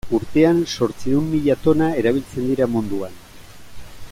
Urtean zortziehun mila tona erabiltzen dira munduan.